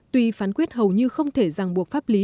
tuy phán quyết hầu như không thể ràng buộc pháp lý